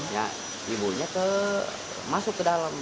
ya ibunya masuk ke dalam